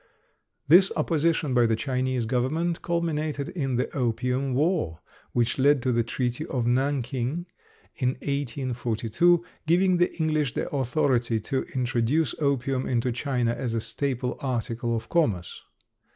This opposition by the Chinese government culminated in the "Opium War," which led to the treaty of Nanking in 1842, giving the English the authority to introduce opium into China as a staple article of commerce.